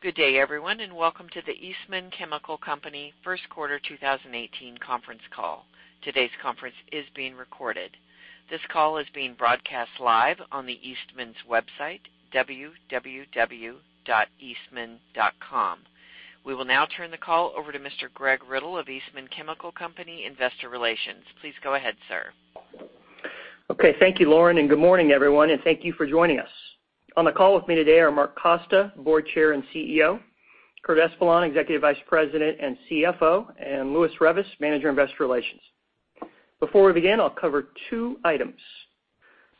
Good day, everyone, and welcome to the Eastman Chemical Company first quarter 2018 conference call. Today's conference is being recorded. This call is being broadcast live on Eastman's website, www.eastman.com. We will now turn the call over to Mr. Greg Riddle of Eastman Chemical Company, investor relations. Please go ahead, sir. Thank you, Lauren, and good morning, everyone, and thank you for joining us. On the call with me today are Mark Costa, Board Chair and CEO, Curtis Espeland, Executive Vice President and CFO, and Lewis Reavis, Manager, Investor Relations. Before we begin, I'll cover two items.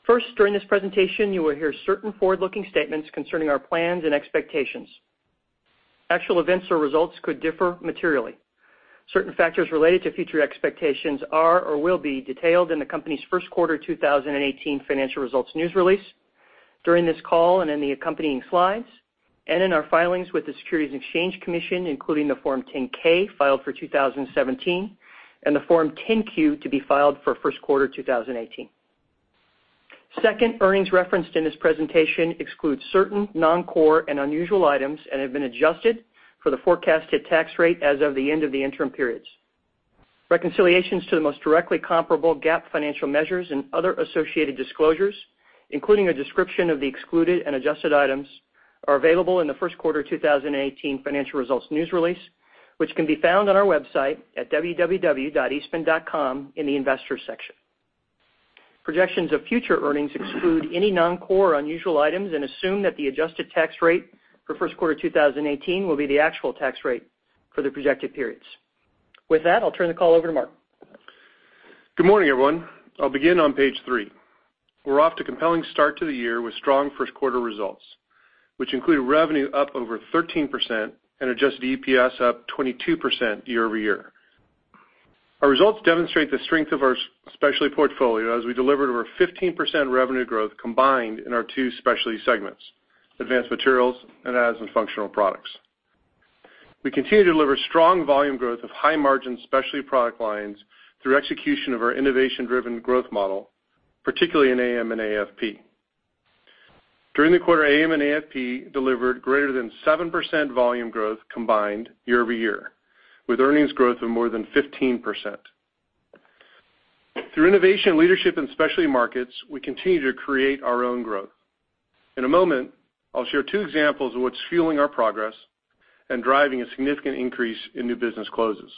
First, during this presentation, you will hear certain forward-looking statements concerning our plans and expectations. Actual events or results could differ materially. Certain factors related to future expectations are or will be detailed in the company's first quarter 2018 financial results news release, during this call and in the accompanying slides, and in our filings with the Securities and Exchange Commission, including the Form 10-K filed for 2017 and the Form 10-Q to be filed for first quarter 2018. Second, earnings referenced in this presentation exclude certain non-core and unusual items and have been adjusted for the forecasted tax rate as of the end of the interim periods. Reconciliations to the most directly comparable GAAP financial measures and other associated disclosures, including a description of the excluded and adjusted items, are available in the first quarter 2018 financial results news release, which can be found on our website at www.eastman.com in the investors section. Projections of future earnings exclude any non-core or unusual items and assume that the adjusted tax rate for first quarter 2018 will be the actual tax rate for the projected periods. With that, I'll turn the call over to Mark. Good morning, everyone. I'll begin on page three. We're off to a compelling start to the year with strong first quarter results, which include revenue up over 13% and adjusted EPS up 22% year-over-year. Our results demonstrate the strength of our specialty portfolio as we delivered over 15% revenue growth combined in our two specialty segments, Advanced Materials and Additives & Functional Products. We continue to deliver strong volume growth of high margin specialty product lines through execution of our innovation-driven growth model, particularly in AM and AFP. During the quarter, AM and AFP delivered greater than 7% volume growth combined year-over-year, with earnings growth of more than 15%. Through innovation leadership in specialty markets, we continue to create our own growth. In a moment, I'll share two examples of what's fueling our progress and driving a significant increase in new business closes.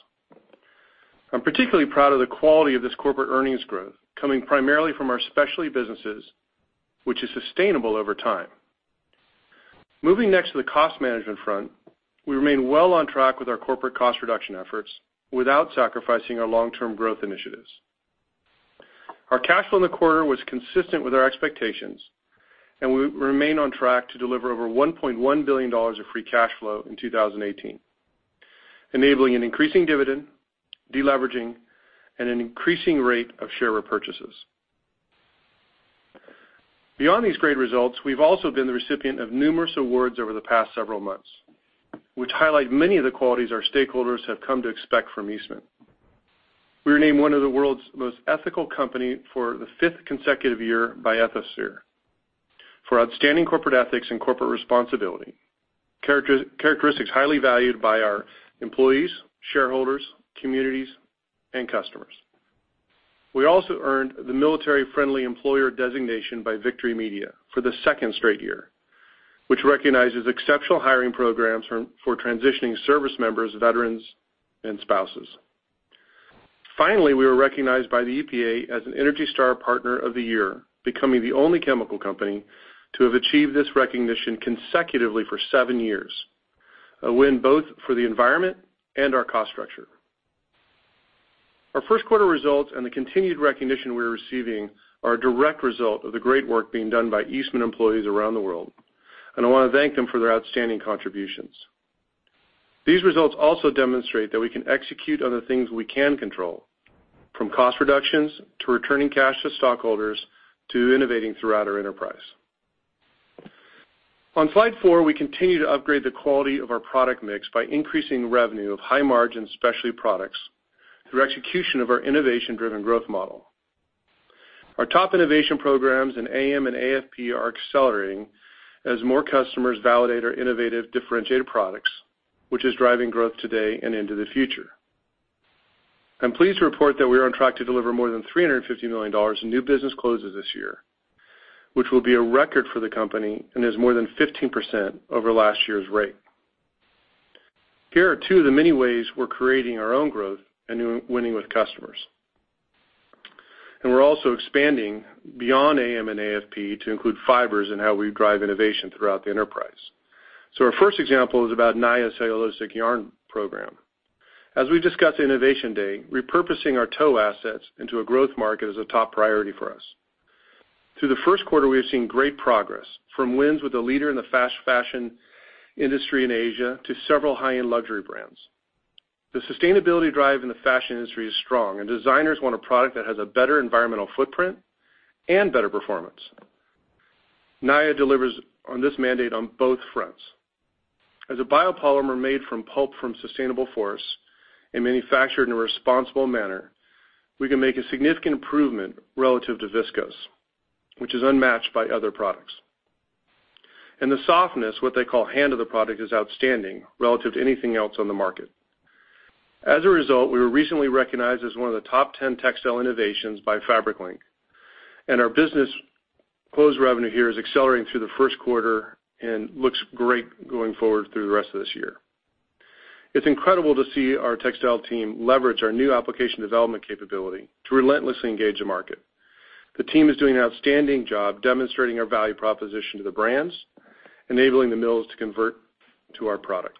I'm particularly proud of the quality of this corporate earnings growth coming primarily from our specialty businesses, which is sustainable over time. Moving next to the cost management front, we remain well on track with our corporate cost reduction efforts without sacrificing our long-term growth initiatives. Our cash flow in the quarter was consistent with our expectations, and we remain on track to deliver over $1.1 billion of free cash flow in 2018, enabling an increasing dividend, de-leveraging, and an increasing rate of share repurchases. Beyond these great results, we've also been the recipient of numerous awards over the past several months, which highlight many of the qualities our stakeholders have come to expect from Eastman. We were named one of the world's most ethical company for the fifth consecutive year by Ethisphere for outstanding corporate ethics and corporate responsibility, characteristics highly valued by our employees, shareholders, communities, and customers. We also earned the Military Friendly Employer designation by Victory Media for the second straight year, which recognizes exceptional hiring programs for transitioning service members, veterans, and spouses. Finally, we were recognized by the EPA as an ENERGY STAR Partner of the Year, becoming the only chemical company to have achieved this recognition consecutively for seven years, a win both for the environment and our cost structure. Our first quarter results and the continued recognition we are receiving are a direct result of the great work being done by Eastman employees around the world, and I want to thank them for their outstanding contributions. These results also demonstrate that we can execute on the things we can control, from cost reductions to returning cash to stockholders to innovating throughout our enterprise. On slide four, we continue to upgrade the quality of our product mix by increasing revenue of high margin specialty products through execution of our innovation driven growth model. Our top innovation programs in AM and AFP are accelerating as more customers validate our innovative differentiated products, which is driving growth today and into the future. I'm pleased to report that we are on track to deliver more than $350 million in new business closes this year, which will be a record for the company and is more than 15% over last year's rate. Here are two of the many ways we're creating our own growth and winning with customers. We're also expanding beyond AM and AFP to include fibers and how we drive innovation throughout the enterprise. Our first example is about Naia cellulosic yarn program. As we've discussed in Innovation Day, repurposing our tow assets into a growth market is a top priority for us. Through the first quarter, we have seen great progress, from wins with a leader in the fast fashion industry in Asia to several high-end luxury brands. The sustainability drive in the fashion industry is strong, and designers want a product that has a better environmental footprint and better performance. Naia delivers on this mandate on both fronts. As a biopolymer made from pulp from sustainable forests and manufactured in a responsible manner, we can make a significant improvement relative to viscose, which is unmatched by other products. The softness, what they call hand of the product, is outstanding relative to anything else on the market. As a result, we were recently recognized as one of the top 10 textile innovations by FabricLink, and our business closed revenue here is accelerating through the first quarter and looks great going forward through the rest of this year. It's incredible to see our textile team leverage our new application development capability to relentlessly engage the market. The team is doing an outstanding job demonstrating our value proposition to the brands, enabling the mills to convert to our product.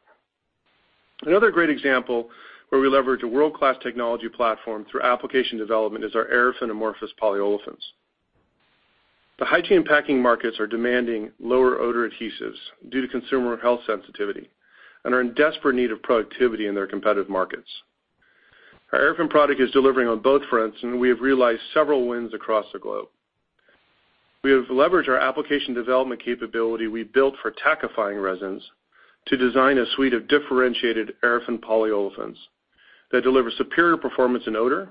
Another great example where we leverage a world-class technology platform through application development is our Aerafin amorphous polyolefins. The hygiene packing markets are demanding lower odor adhesives due to consumer health sensitivity and are in desperate need of productivity in their competitive markets. Our Aerafin product is delivering on both fronts, and we have realized several wins across the globe. We have leveraged our application development capability we built for tackifying resins to design a suite of differentiated Aerafin polyolefins that deliver superior performance and odor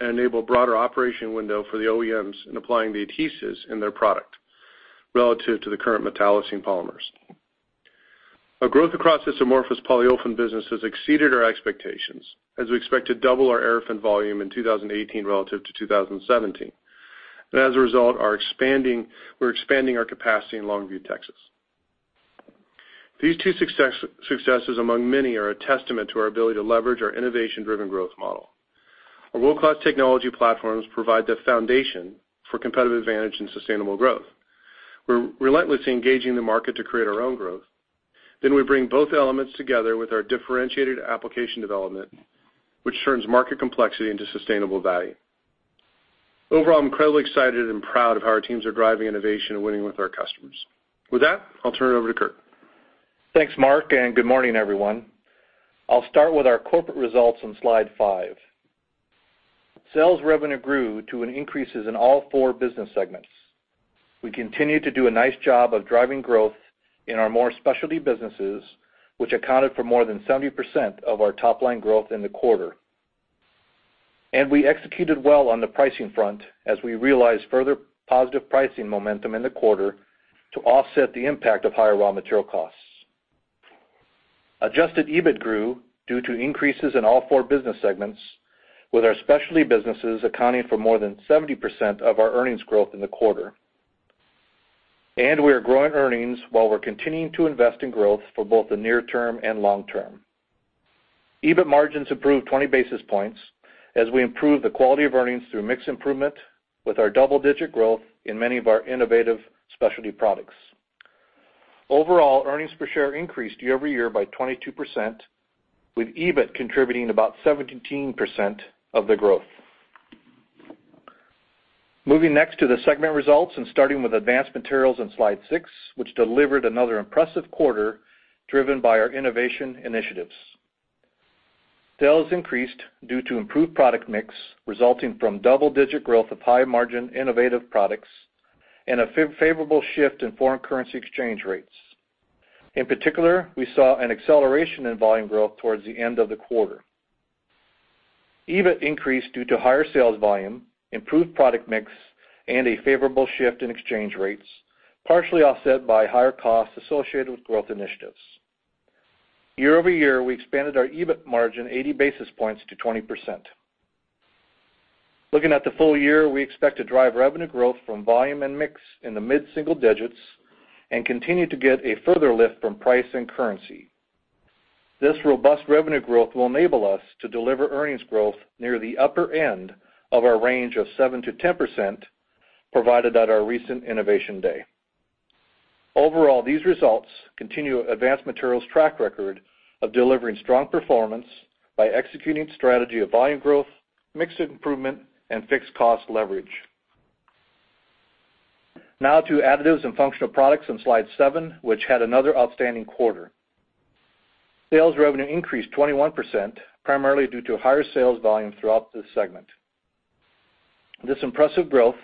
and enable broader operation window for the OEMs in applying the adhesives in their product relative to the current metallocene polymers. Our growth across this amorphous polyolefin business has exceeded our expectations, as we expect to double our Aerafin volume in 2018 relative to 2017. As a result, we're expanding our capacity in Longview, Texas. These two successes among many are a testament to our ability to leverage our innovation-driven growth model. Our world-class technology platforms provide the foundation for competitive advantage and sustainable growth. We're relentlessly engaging the market to create our own growth. We bring both elements together with our differentiated application development, which turns market complexity into sustainable value. Overall, I'm incredibly excited and proud of how our teams are driving innovation and winning with our customers. With that, I'll turn it over to Curt. Thanks, Mark, and good morning, everyone. I'll start with our corporate results on slide five. Sales revenue grew to increases in all four business segments. We continue to do a nice job of driving growth in our more specialty businesses, which accounted for more than 70% of our top-line growth in the quarter. We executed well on the pricing front as we realized further positive pricing momentum in the quarter to offset the impact of higher raw material costs. Adjusted EBIT grew due to increases in all four business segments, with our specialty businesses accounting for more than 70% of our earnings growth in the quarter. We are growing earnings while we're continuing to invest in growth for both the near term and long term. EBIT margins improved 20 basis points as we improved the quality of earnings through mix improvement with our double-digit growth in many of our innovative specialty products. Overall, earnings per share increased year-over-year by 22%, with EBIT contributing about 17% of the growth. Moving next to the segment results and starting with Advanced Materials on slide six, which delivered another impressive quarter driven by our innovation initiatives. Sales increased due to improved product mix, resulting from double-digit growth of high-margin innovative products and a favorable shift in foreign currency exchange rates. In particular, we saw an acceleration in volume growth towards the end of the quarter. EBIT increased due to higher sales volume, improved product mix, and a favorable shift in exchange rates, partially offset by higher costs associated with growth initiatives. Year-over-year, we expanded our EBIT margin 80 basis points to 20%. Looking at the full year, we expect to drive revenue growth from volume and mix in the mid-single digits and continue to get a further lift from price and currency. This robust revenue growth will enable us to deliver earnings growth near the upper end of our range of 7%-10%, provided at our recent Innovation Day. Overall, these results continue Advanced Materials' track record of delivering strong performance by executing strategy of volume growth, mix improvement, and fixed cost leverage. Now to Additives and Functional Products on slide seven, which had another outstanding quarter. Sales revenue increased 21%, primarily due to higher sales volume throughout this segment. This impressive growth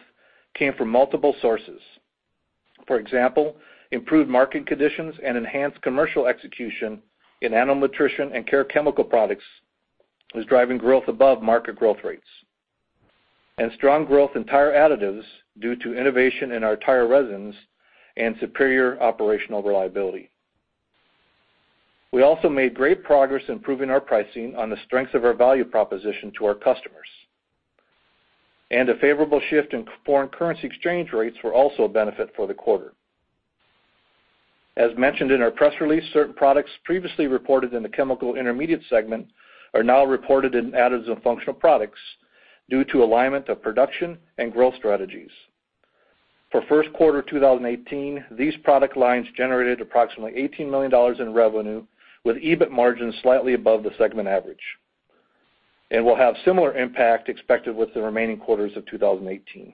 came from multiple sources. For example, improved market conditions and enhanced commercial execution in animal nutrition and care chemical products is driving growth above market growth rates. Strong growth in tire additives due to innovation in our tire resins and superior operational reliability. We also made great progress improving our pricing on the strengths of our value proposition to our customers. A favorable shift in foreign currency exchange rates were also a benefit for the quarter. As mentioned in our press release, certain products previously reported in the Chemical Intermediates segment are now reported in Additives and Functional Products due to alignment of production and growth strategies. For first quarter 2018, these product lines generated approximately $18 million in revenue, with EBIT margins slightly above the segment average. Will have similar impact expected with the remaining quarters of 2018.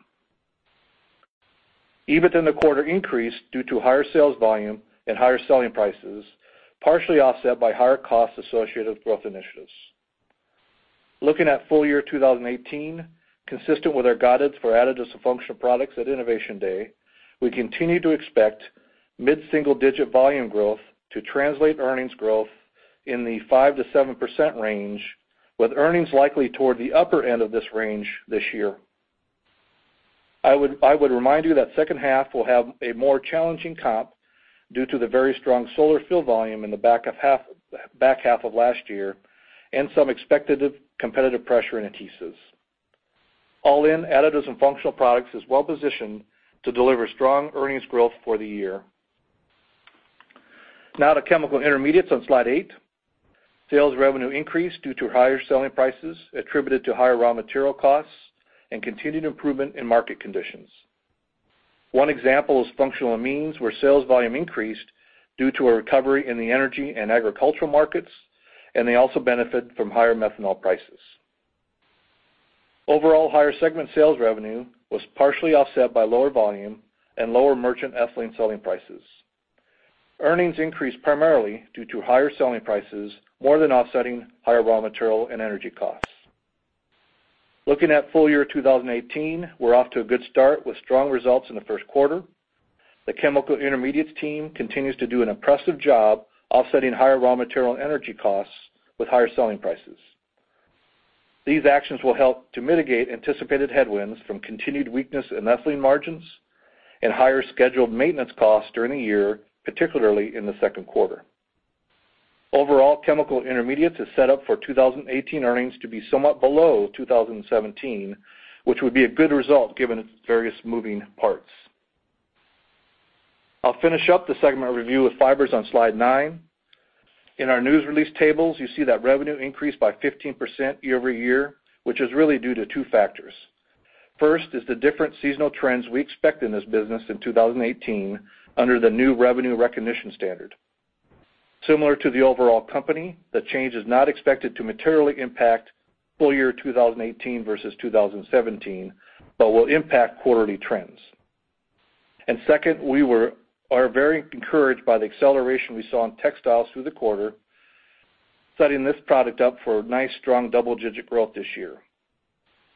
EBIT in the quarter increased due to higher sales volume and higher selling prices, partially offset by higher costs associated with growth initiatives. Looking at full year 2018, consistent with our guidance for Additives and Functional Products at Innovation Day, we continue to expect mid-single digit volume growth to translate earnings growth in the 5%-7% range with earnings likely toward the upper end of this range this year. I would remind you that second half will have a more challenging comp due to the very strong solar film volume in the back half of last year, and some expected competitive pressure in adhesives. All in Additives and Functional Products is well positioned to deliver strong earnings growth for the year. Now to Chemical Intermediates on slide eight. Sales revenue increased due to higher selling prices attributed to higher raw material costs and continued improvement in market conditions. One example is functional amines, where sales volume increased due to a recovery in the energy and agricultural markets, and they also benefit from higher methanol prices. Overall higher segment sales revenue was partially offset by lower volume and lower merchant ethylene selling prices. Earnings increased primarily due to higher selling prices, more than offsetting higher raw material and energy costs. Looking at full year 2018, we're off to a good start with strong results in the first quarter. The Chemical Intermediates team continues to do an impressive job offsetting higher raw material and energy costs with higher selling prices. These actions will help to mitigate anticipated headwinds from continued weakness in ethylene margins and higher scheduled maintenance costs during the year, particularly in the second quarter. Overall, Chemical Intermediates is set up for 2018 earnings to be somewhat below 2017, which would be a good result given its various moving parts. I'll finish up the segment review with Fibers on slide nine. In our news release tables, you see that revenue increased by 15% year-over-year, which is really due to two factors. First is the different seasonal trends we expect in this business in 2018 under the new revenue recognition standard. Similar to the overall company, the change is not expected to materially impact full year 2018 versus 2017, but will impact quarterly trends. Second, we are very encouraged by the acceleration we saw in textiles through the quarter, setting this product up for nice, strong double-digit growth this year.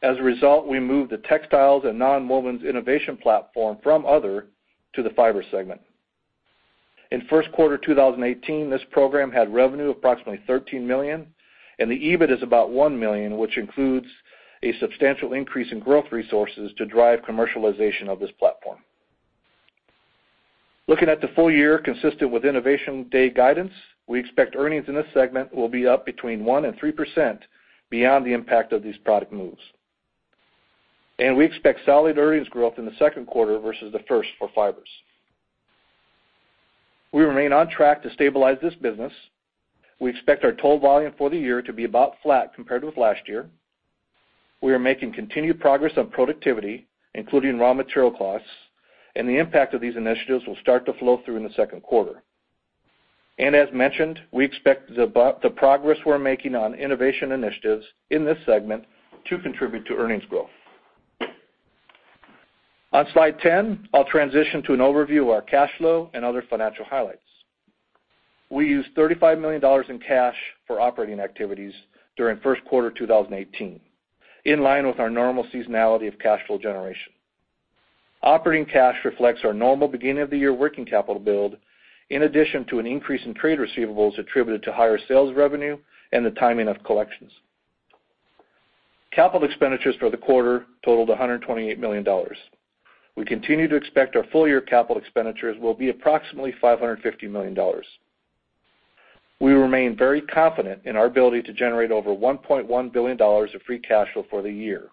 As a result, we moved the textiles and nonwovens innovation platform from other to the Fiber segment. In Q1 2018, this program had revenue of approximately $13 million, and the EBIT is about $1 million, which includes a substantial increase in growth resources to drive commercialization of this platform. Looking at the full year consistent with Innovation Day guidance, we expect earnings in this segment will be up between 1% and 3% beyond the impact of these product moves. We expect solid earnings growth in the second quarter versus the first for Fibers. We remain on track to stabilize this business. We expect our total volume for the year to be about flat compared with last year. We are making continued progress on productivity, including raw material costs, and the impact of these initiatives will start to flow through in the second quarter. As mentioned, we expect the progress we're making on innovation initiatives in this segment to contribute to earnings growth. On slide 10, I'll transition to an overview of our cash flow and other financial highlights. We used $35 million in cash for operating activities during Q1 2018, in line with our normal seasonality of cash flow generation. Operating cash reflects our normal beginning of the year working capital build, in addition to an increase in trade receivables attributed to higher sales revenue and the timing of collections. Capital expenditures for the quarter totaled $128 million. We continue to expect our full year capital expenditures will be approximately $550 million. We remain very confident in our ability to generate over $1.1 billion of free cash flow for the year.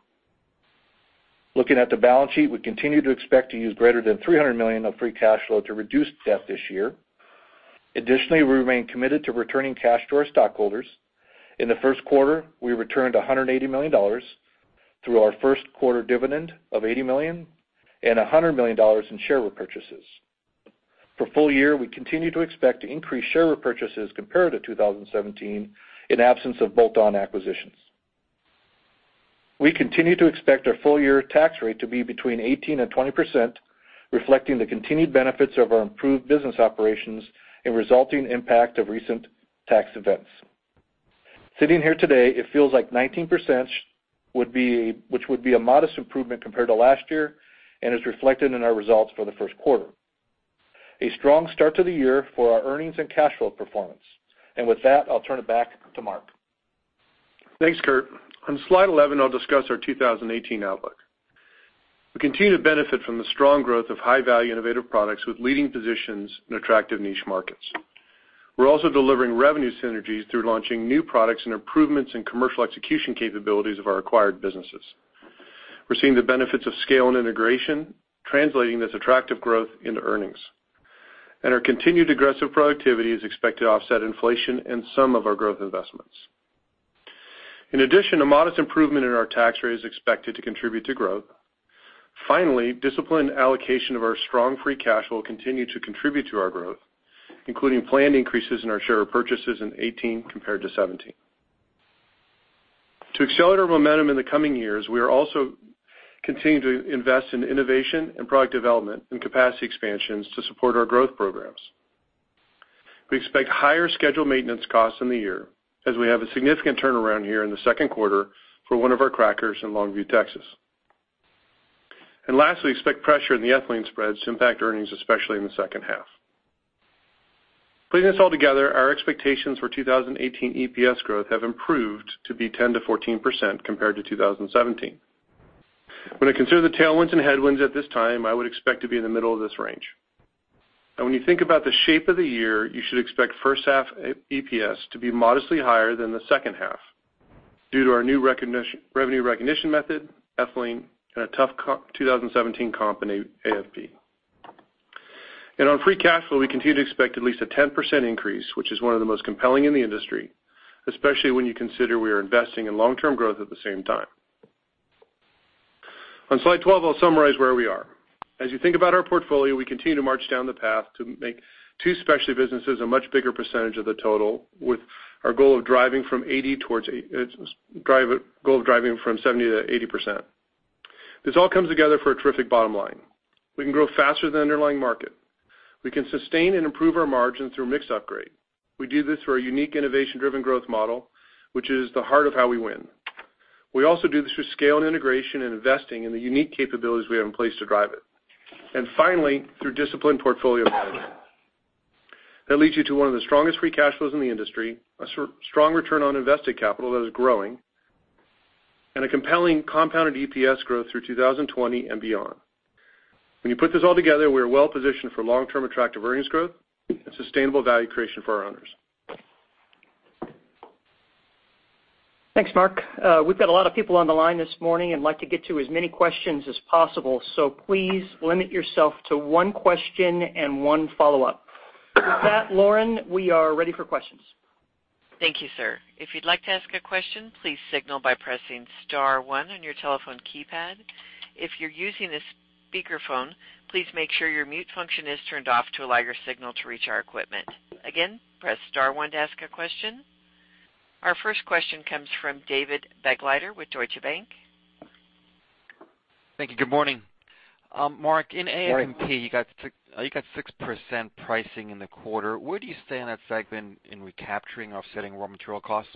Looking at the balance sheet, we continue to expect to use greater than $300 million of free cash flow to reduce debt this year. Additionally, we remain committed to returning cash to our stockholders. In the first quarter, we returned $180 million through our first quarter dividend of $80 million and $100 million in share repurchases. For full year, we continue to expect increased share repurchases compared to 2017 in absence of bolt-on acquisitions. We continue to expect our full year tax rate to be between 18% and 20%, reflecting the continued benefits of our improved business operations and resulting impact of recent tax events. Sitting here today, it feels like 19%, which would be a modest improvement compared to last year and is reflected in our results for the first quarter. A strong start to the year for our earnings and cash flow performance. With that, I'll turn it back to Mark. Thanks, Curtis. On slide 11, I'll discuss our 2018 outlook. We continue to benefit from the strong growth of high-value innovative products with leading positions in attractive niche markets. We're also delivering revenue synergies through launching new products and improvements in commercial execution capabilities of our acquired businesses. We're seeing the benefits of scale and integration, translating this attractive growth into earnings. Our continued aggressive productivity is expected to offset inflation and some of our growth investments. In addition, a modest improvement in our tax rate is expected to contribute to growth. Disciplined allocation of our strong free cash will continue to contribute to our growth, including planned increases in our share repurchases in 2018 compared to 2017. To accelerate our momentum in the coming years, we are also continuing to invest in innovation and product development and capacity expansions to support our growth programs. We expect higher scheduled maintenance costs in the year as we have a significant turnaround here in the second quarter for one of our crackers in Longview, Texas. Lastly, expect pressure in the ethylene spreads to impact earnings, especially in the second half. Putting this all together, our expectations for 2018 EPS growth have improved to be 10%-14% compared to 2017. When I consider the tailwinds and headwinds at this time, I would expect to be in the middle of this range. When you think about the shape of the year, you should expect first half EPS to be modestly higher than the second half due to our new revenue recognition method, ethylene, and a tough 2017 comp in AFP. On free cash flow, we continue to expect at least a 10% increase, which is one of the most compelling in the industry, especially when you consider we are investing in long-term growth at the same time. On slide 12, I'll summarize where we are. As you think about our portfolio, we continue to march down the path to make two specialty businesses a much bigger percentage of the total, with our goal of driving from 70% to 80%. This all comes together for a terrific bottom line. We can grow faster than the underlying market. We can sustain and improve our margins through mix upgrade. We do this through our unique innovation-driven growth model, which is the heart of how we win. We also do this through scale and integration and investing in the unique capabilities we have in place to drive it. Finally, through disciplined portfolio management. That leads you to one of the strongest free cash flows in the industry, a strong return on invested capital that is growing, and a compelling compounded EPS growth through 2020 and beyond. When you put this all together, we are well positioned for long-term attractive earnings growth and sustainable value creation for our owners. Thanks, Mark. We've got a lot of people on the line this morning and like to get to as many questions as possible, please limit yourself to one question and one follow-up. With that, Lauren, we are ready for questions. Thank you, sir. If you'd like to ask a question, please signal by pressing *1 on your telephone keypad. If you're using a speakerphone, please make sure your mute function is turned off to allow your signal to reach our equipment. Again, press *1 to ask a question. Our first question comes from David Begleiter with Deutsche Bank. Thank you. Good morning. Mark, in AM, you got 6% pricing in the quarter. Where do you stand at segment in recapturing offsetting raw material costs?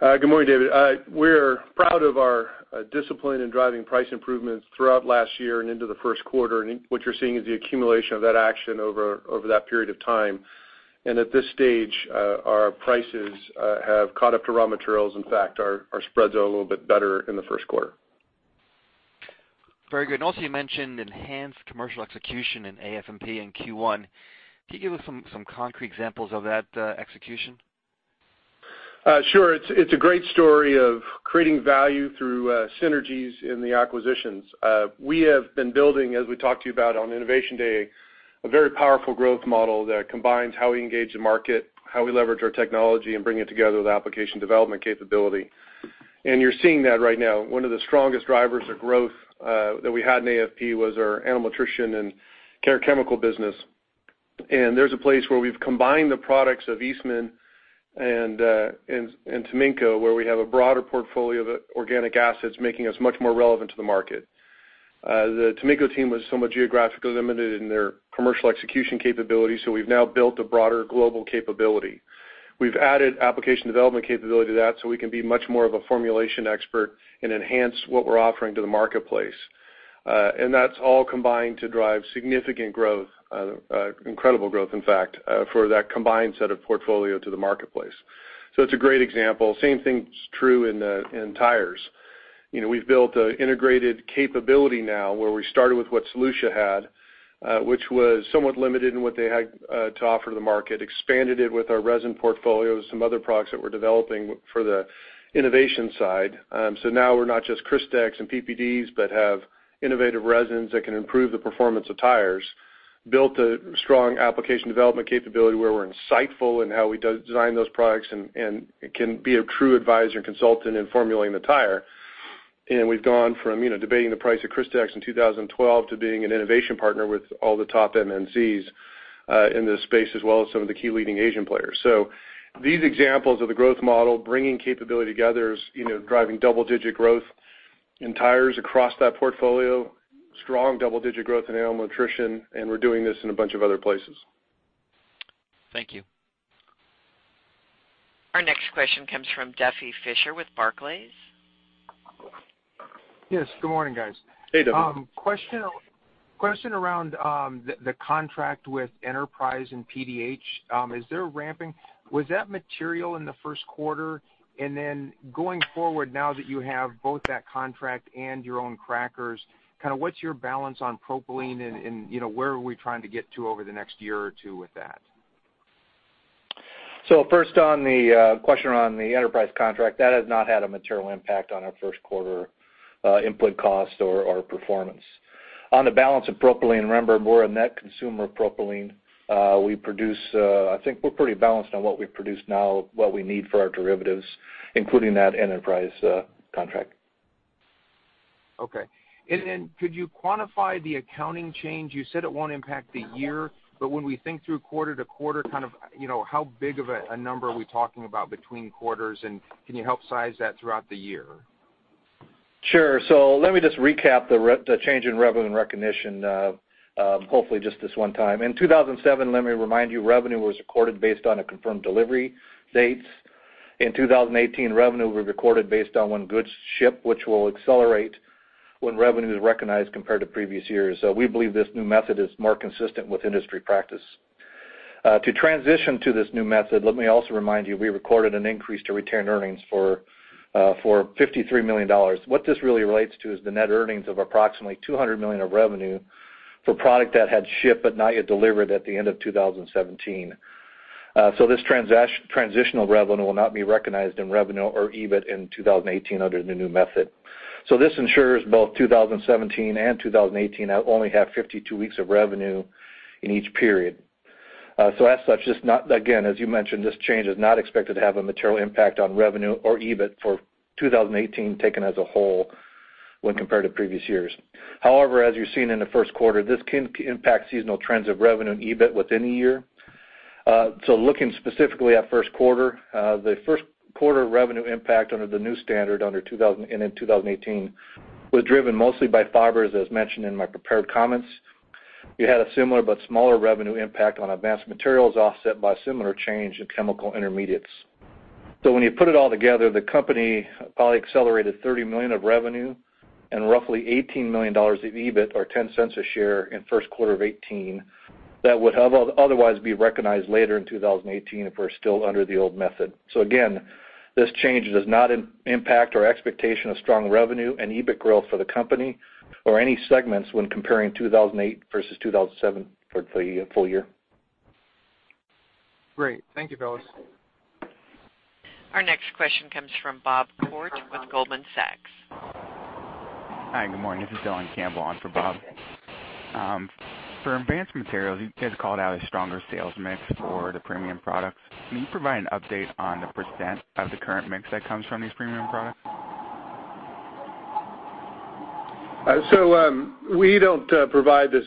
Good morning, David. We're proud of our discipline in driving price improvements throughout last year and into the first quarter. What you're seeing is the accumulation of that action over that period of time. At this stage, our prices have caught up to raw materials. In fact, our spreads are a little bit better in the first quarter. Very good. Also you mentioned enhanced commercial execution in AFP in Q1. Can you give us some concrete examples of that execution? Sure. It's a great story of creating value through synergies in the acquisitions. We have been building, as we talked to you about on Innovation Day, a very powerful growth model that combines how we engage the market, how we leverage our technology, and bring it together with application development capability. You're seeing that right now. One of the strongest drivers of growth that we had in AFP was our animal nutrition and care chemical business. There's a place where we've combined the products of Eastman and Taminco, where we have a broader portfolio of organic acids, making us much more relevant to the market. The Taminco team was somewhat geographically limited in their commercial execution capability, so we've now built a broader global capability. We've added application development capability to that, so we can be much more of a formulation expert and enhance what we're offering to the marketplace. That's all combined to drive significant growth, incredible growth, in fact, for that combined set of portfolio to the marketplace. It's a great example. Same thing's true in tires. We've built an integrated capability now where we started with what Solutia had, which was somewhat limited in what they had to offer to the market, expanded it with our resin portfolio, some other products that we're developing for the innovation side. Now we're not just Crystex and PPDs, but have innovative resins that can improve the performance of tires. Built a strong application development capability where we're insightful in how we design those products and can be a true advisor and consultant in formulating the tire. We've gone from debating the price of Crystex in 2012 to being an innovation partner with all the top MNCs in this space, as well as some of the key leading Asian players. These examples of the growth model, bringing capability together, is driving double-digit growth in tires across that portfolio, strong double-digit growth in animal nutrition, and we're doing this in a bunch of other places. Thank you. Our next question comes from Duffy Fischer with Barclays. Yes, good morning, guys. Hey, Duffy. Question around the contract with Enterprise and PDH. Is there a ramping? Was that material in the first quarter? Going forward now that you have both that contract and your own crackers, what's your balance on propylene, and where are we trying to get to over the next year or two with that? First on the question around the Enterprise contract, that has not had a material impact on our first quarter input cost or performance. On the balance of propylene, remember, we're a net consumer of propylene. I think we're pretty balanced on what we produce now, what we need for our derivatives, including that Enterprise contract. Okay. Could you quantify the accounting change? You said it won't impact the year, but when we think through quarter to quarter, how big of a number are we talking about between quarters, and can you help size that throughout the year? Sure. Let me just recap the change in revenue and recognition, hopefully just this one time. In 2017, let me remind you, revenue was recorded based on a confirmed delivery dates. In 2018, revenue we recorded based on when goods ship, which will accelerate when revenue is recognized compared to previous years. We believe this new method is more consistent with industry practice. To transition to this new method, let me also remind you, we recorded an increase to retained earnings for $53 million. What this really relates to is the net earnings of approximately $200 million of revenue for product that had shipped but not yet delivered at the end of 2017. This transitional revenue will not be recognized in revenue or EBIT in 2018 under the new method. This ensures both 2017 and 2018 now only have 52 weeks of revenue in each period. As such, again, as you mentioned, this change is not expected to have a material impact on revenue or EBIT for 2018 taken as a whole when compared to previous years. However, as you've seen in the first quarter, this can impact seasonal trends of revenue and EBIT within a year. Looking specifically at first quarter, the first quarter revenue impact under the new standard and in 2018 was driven mostly by fibers, as mentioned in my prepared comments. We had a similar but smaller revenue impact on Advanced Materials, offset by similar change in Chemical Intermediates. When you put it all together, the company probably accelerated $30 million of revenue and roughly $18 million of EBIT or $0.10 a share in first quarter of 2018 that would have otherwise be recognized later in 2018 if we're still under the old method. Again, this change does not impact our expectation of strong revenue and EBIT growth for the company or any segments when comparing 2018 versus 2017 for the full year. Great. Thank you, fellas. Our next question comes from Bob Koort with Goldman Sachs. Hi, good morning. This is Dylan Campbell on for Bob. For Advanced Materials, you guys called out a stronger sales mix for the premium products. Can you provide an update on the % of the current mix that comes from these premium products? We don't provide this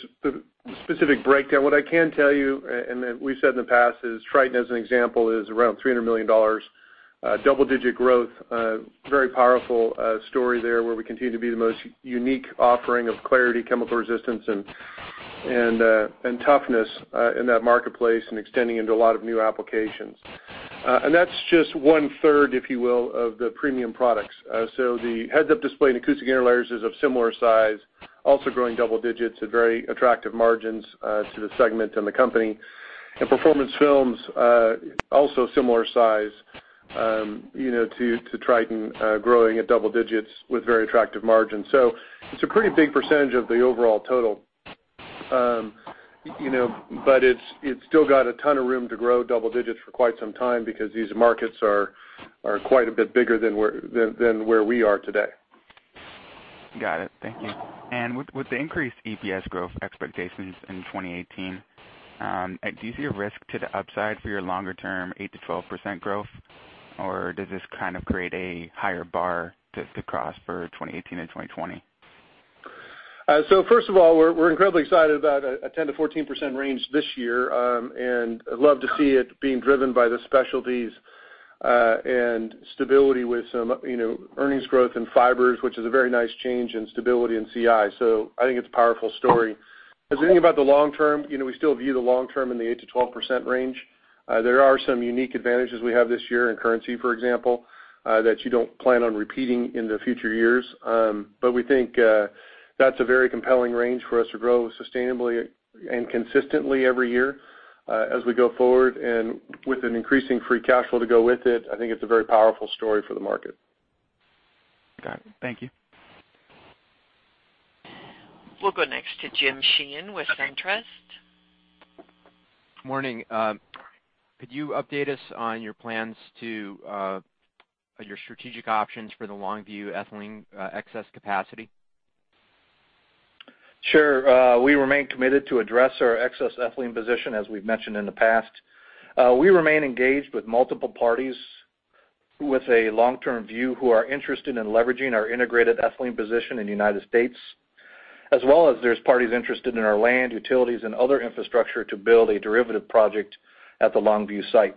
specific breakdown. What I can tell you, and that we've said in the past, is Tritan as an example is around $300 million. Double-digit growth, very powerful story there, where we continue to be the most unique offering of clarity, chemical resistance, and toughness in that marketplace and extending into a lot of new applications. That's just one third, if you will, of the premium products. The heads-up display and acoustic interlayers is of similar size, also growing double digits at very attractive margins to the segment and the company. Performance films, also similar size to Tritan, growing at double digits with very attractive margins. It's a pretty big % of the overall total. It's still got a ton of room to grow double digits for quite some time because these markets are quite a bit bigger than where we are today. Got it. Thank you. With the increased EPS growth expectations in 2018, do you see a risk to the upside for your longer term 8%-12% growth, or does this kind of create a higher bar to cross for 2018 and 2020? First of all, we're incredibly excited about a 10%-14% range this year. Love to see it being driven by the specialties and stability with some earnings growth in fibers, which is a very nice change in stability in CI. I think it's a powerful story. Anything about the long term, we still view the long term in the 8%-12% range. There are some unique advantages we have this year in currency, for example, that you don't plan on repeating in the future years. We think that's a very compelling range for us to grow sustainably and consistently every year as we go forward. With an increasing free cash flow to go with it, I think it's a very powerful story for the market. Got it. Thank you. We'll go next to James Sheehan with SunTrust. Morning. Could you update us on your strategic options for the Longview ethylene excess capacity? Sure. We remain committed to address our excess ethylene position, as we've mentioned in the past. We remain engaged with multiple parties with a long-term view who are interested in leveraging our integrated ethylene position in the U.S., as well as there's parties interested in our land, utilities, and other infrastructure to build a derivative project at the Longview site.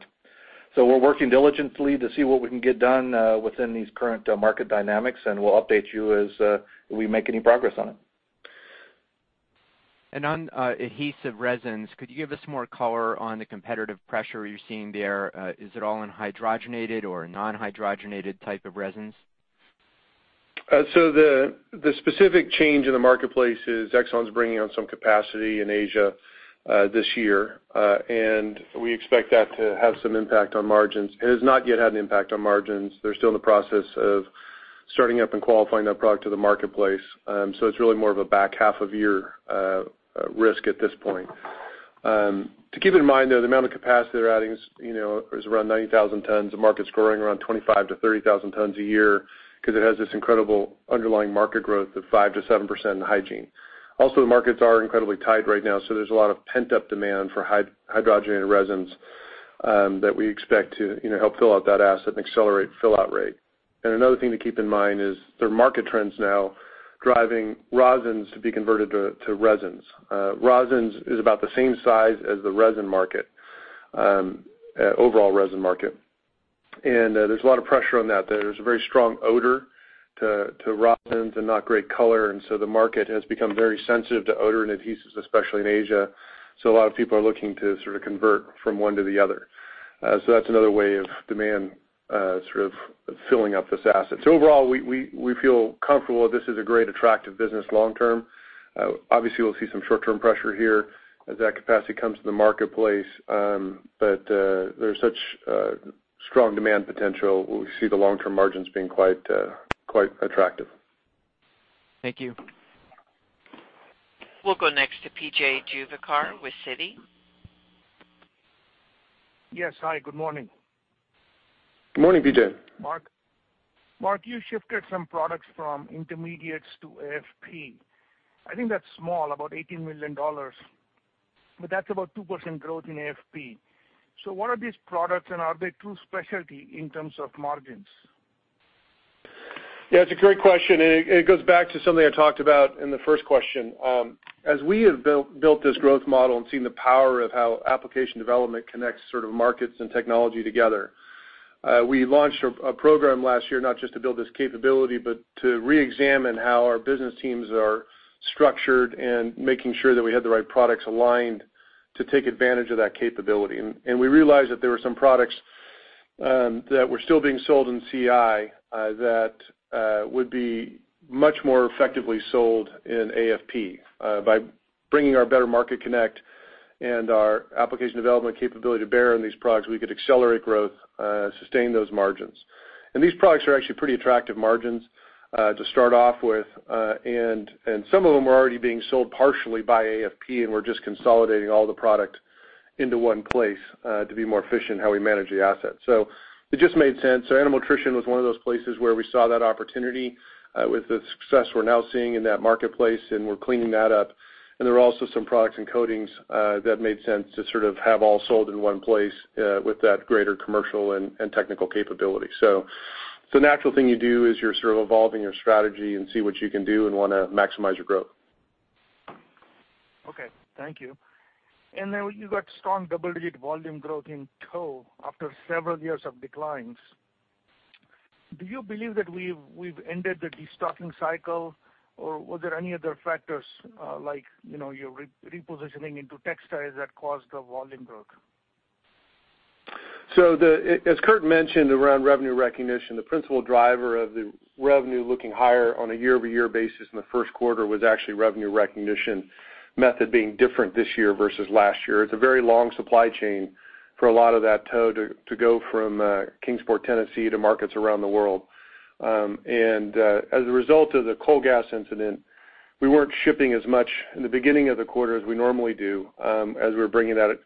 We're working diligently to see what we can get done within these current market dynamics, and we'll update you as we make any progress on it. On adhesive resins, could you give us more color on the competitive pressure you're seeing there? Is it all in hydrogenated or non-hydrogenated type of resins? The specific change in the marketplace is ExxonMobil's bringing on some capacity in Asia this year. We expect that to have some impact on margins. It has not yet had an impact on margins. They're still in the process of starting up and qualifying that product to the marketplace. It's really more of a back half of year risk at this point. To keep in mind, though, the amount of capacity they're adding is around 90,000 tons. The market's growing around 25,000 to 30,000 tons a year because it has this incredible underlying market growth of 5%-7% in hygiene. Also, the markets are incredibly tight right now, so there's a lot of pent-up demand for hydrogenated resins that we expect to help fill out that asset and accelerate fill out rate. Another thing to keep in mind is there are market trends now driving rosins to be converted to resins. Rosins is about the same size as the resin market, overall resin market. There's a lot of pressure on that. There's a very strong odor To rosins and not great color. The market has become very sensitive to odor and adhesives, especially in Asia. A lot of people are looking to sort of convert from one to the other. That's another way of demand sort of filling up this asset. Overall, we feel comfortable that this is a great attractive business long term. Obviously, we'll see some short-term pressure here as that capacity comes to the marketplace. There's such strong demand potential, we see the long-term margins being quite attractive. Thank you. We'll go next to P.J. Juvekar with Citi. Yes. Hi, good morning. Good morning, P.J. Mark, you shifted some products from intermediates to AFP. I think that's small, about $18 million. That's about 2% growth in AFP. What are these products, and are they too specialty in terms of margins? Yeah, it's a great question. It goes back to something I talked about in the first question. As we have built this growth model and seen the power of how application development connects sort of markets and technology together, we launched a program last year not just to build this capability, but to reexamine how our business teams are structured and making sure that we had the right products aligned to take advantage of that capability. We realized that there were some products that were still being sold in CI that would be much more effectively sold in AFP. By bringing our better market connect and our application development capability to bear on these products, we could accelerate growth, sustain those margins. These products are actually pretty attractive margins to start off with. Some of them are already being sold partially by AFP, and we're just consolidating all the product into one place to be more efficient in how we manage the assets. It just made sense. Animal nutrition was one of those places where we saw that opportunity with the success we're now seeing in that marketplace, and we're cleaning that up, and there are also some products in coatings that made sense to sort of have all sold in one place with that greater commercial and technical capability. The natural thing you do is you're sort of evolving your strategy and see what you can do and want to maximize your growth. Okay. Thank you. Then you got strong double-digit volume growth in tow after several years of declines. Do you believe that we've ended the destocking cycle, or were there any other factors like your repositioning into textiles that caused the volume growth? As Kurt mentioned around revenue recognition, the principal driver of the revenue looking higher on a year-over-year basis in the first quarter was actually revenue recognition method being different this year versus last year. It's a very long supply chain for a lot of that tow to go from Kingsport, Tennessee, to markets around the world. As a result of the coal gas incident, we weren't shipping as much in the beginning of the quarter as we normally do as we were bringing that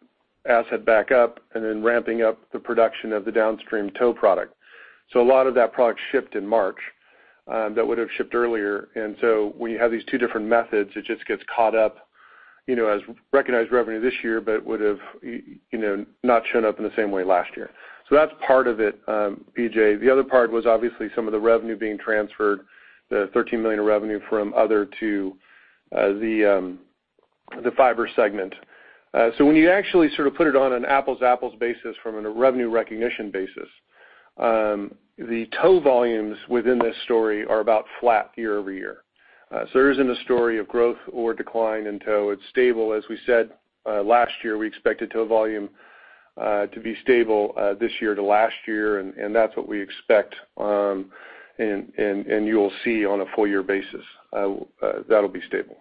asset back up and then ramping up the production of the downstream tow product. A lot of that product shipped in March that would have shipped earlier. When you have these two different methods, it just gets caught up as recognized revenue this year, but would have not shown up in the same way last year. That's part of it, P.J. The other part was obviously some of the revenue being transferred, the $13 million of revenue from other to the Fibers segment. When you actually sort of put it on an apples-apples basis from a revenue recognition basis, the tow volumes within this story are about flat year-over-year. There isn't a story of growth or decline in tow. It's stable. As we said last year, we expected tow volume to be stable this year to last year, and that's what we expect, and you'll see on a full year basis. That'll be stable.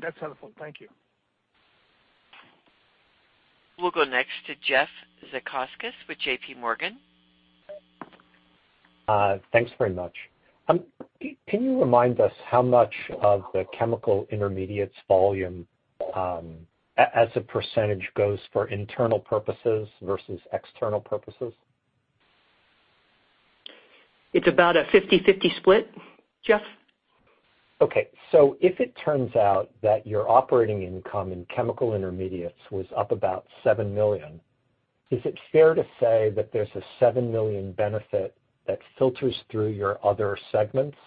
That's helpful. Thank you. We'll go next to Jeff Zekauskas with JPMorgan. Thanks very much. Can you remind us how much of the chemical intermediates volume as a percentage goes for internal purposes versus external purposes? It's about a 50/50 split, Jeff. Okay. If it turns out that your operating income in Chemical Intermediates was up about $7 million, is it fair to say that there's a $7 million benefit that filters through your other segments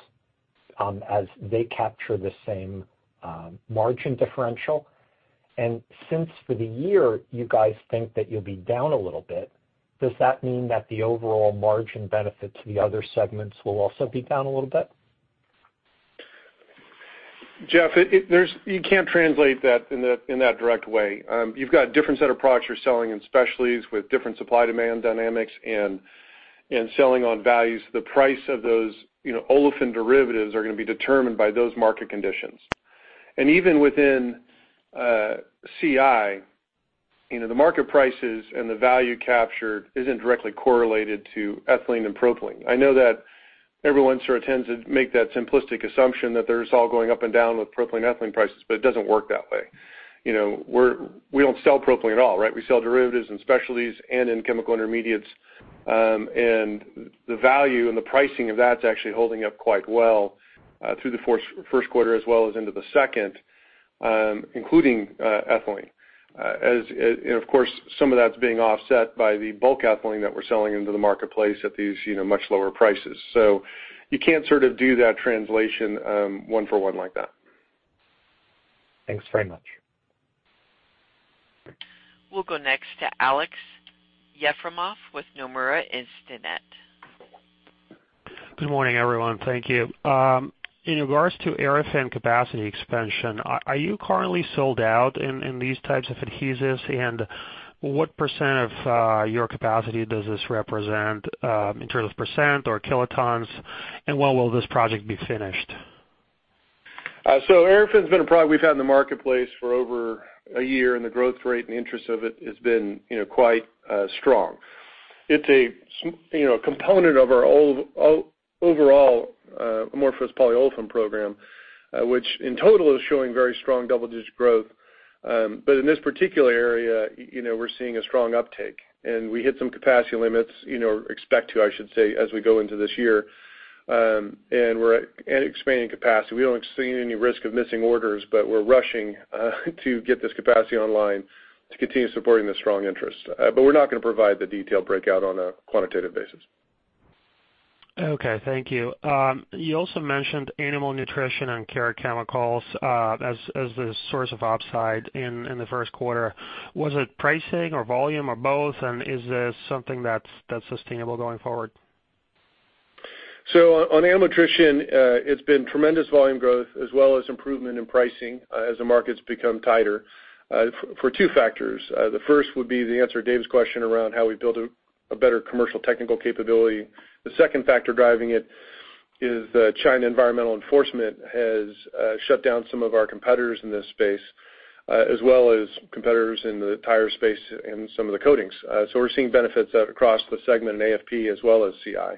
as they capture the same margin differential? Since for the year you guys think that you'll be down a little bit, does that mean that the overall margin benefit to the other segments will also be down a little bit? Jeff, you can't translate that in that direct way. You've got different set of products you're selling in specialties with different supply demand dynamics and selling on values. The price of those olefin derivatives are going to be determined by those market conditions. Even within CI, the market prices and the value captured isn't directly correlated to ethylene and propylene. I know that everyone sort of tends to make that simplistic assumption that they're just all going up and down with propylene ethylene prices, but it doesn't work that way. We don't sell propylene at all, right? We sell derivatives and specialties and in Chemical Intermediates. The value and the pricing of that's actually holding up quite well through the first quarter as well as into the second, including ethylene. Of course, some of that's being offset by the bulk ethylene that we're selling into the marketplace at these much lower prices. You can't sort of do that translation one for one like that. Thanks very much. We'll go next to Aleksey Yefremov with Nomura Instinet. Good morning, everyone. Thank you. In regards to Aerafin capacity expansion, are you currently sold out in these types of adhesives? What % of your capacity does this represent in terms of % or kilotons, and when will this project be finished? Aerafin's been a product we've had in the marketplace for over a year, and the growth rate and the interest of it has been quite strong. It's a component of our overall amorphous polyolefin program, which in total is showing very strong double-digit growth. In this particular area, we're seeing a strong uptake, and we hit some capacity limits, expect to, I should say, as we go into this year. We're expanding capacity. We don't see any risk of missing orders, but we're rushing to get this capacity online to continue supporting the strong interest. We're not going to provide the detailed breakout on a quantitative basis. Okay. Thank you. You also mentioned animal nutrition and care chemicals as the source of upside in the first quarter. Was it pricing or volume or both, and is this something that's sustainable going forward? On animal nutrition, it's been tremendous volume growth as well as improvement in pricing as the market's become tighter for two factors. The first would be the answer to Dave's question around how we build a better commercial technical capability. The second factor driving it is that China environmental enforcement has shut down some of our competitors in this space, as well as competitors in the tire space and some of the coatings. We're seeing benefits across the segment in AFP as well as CI.